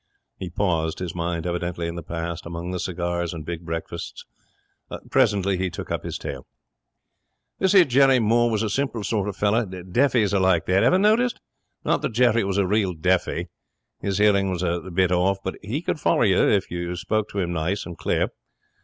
He paused, his mind evidently in the past, among the cigars and big breakfasts. Presently he took up his tale. 'This here Jerry Moore was a simple sort of feller. Deafies are like that. Ever noticed? Not that Jerry was a real deafy. His hearing was a bit off, but he could foller you if you spoke to him nice and clear.